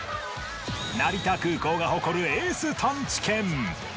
成田空港が誇るエース探知犬。